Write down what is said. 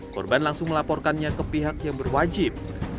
korban langsung melaporkannya ke pihak yang berwajib